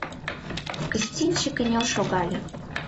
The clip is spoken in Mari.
Кыстинчи кынел шогале.